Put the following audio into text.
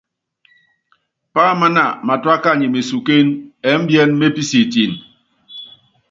Páámána matúá kany mesukén ɛ́mbíɛ́n mépísíítín.